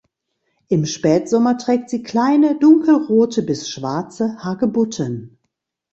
Im Spätsommer trägt sie kleine, dunkelrote bis schwarze Hagebutten.